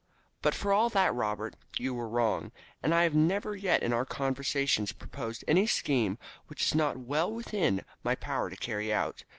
But for all that, Robert, you were wrong, and I have never yet in our conversations proposed any scheme which it was not well within my power to carry out.